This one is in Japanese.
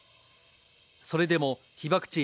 それでも被爆地